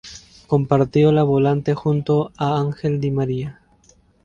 Compartió la volante junto a Ángel Di María.